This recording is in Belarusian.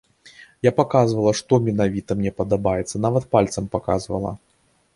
Я паказвала, што менавіта мне падабаецца, нават пальцам паказвала.